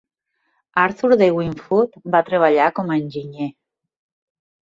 Arthur De Wint Foote va treballar com a enginyer.